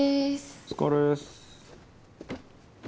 お疲れっす。